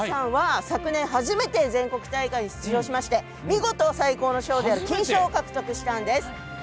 実は、皆さんは昨年初めて全国大会に出場して見事最高の賞である金賞を獲得したんです。